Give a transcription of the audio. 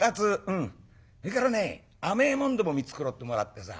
それからね甘えもんでも見繕ってもらってさ。